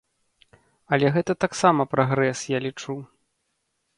Але гэта таксама прагрэс, я лічу.